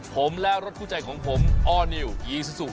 ผมและรถคู่ใจของผมออร์นิวอีซูซู